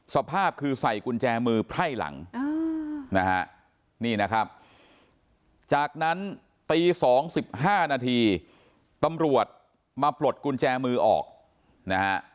สภาพคือใส่กุญแจมือไพร่หลังนะฮะนี่นะครับจากนั้นตี๒๕นาทีตำรวจมาปลดกุญแจมือออกนะฮะ